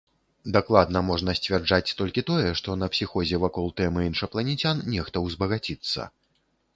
Дакладна можна сцвярджаць толькі тое, што на псіхозе вакол тэмы іншапланецян нехта ўзбагаціцца.